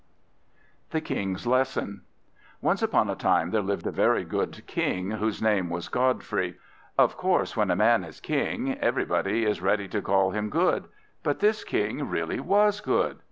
THE KING'S LESSON Once upon a time there lived a very good King, whose name was Godfrey. Of course, when a man is King, everybody is ready to call him good; but this King really was good.